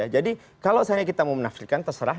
jadi kalau misalnya kita mau menafsirkan terserah